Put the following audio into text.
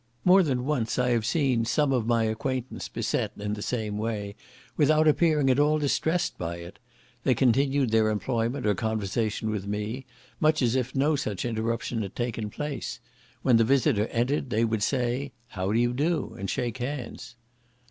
More than once I have seen some of my acquaintance beset in the same way, without appearing at all distressed by it; they continued their employment or conversation with me, much as if no such interruption had taken place; when the visitor entered, they would say, "How do you do?" and shake hands.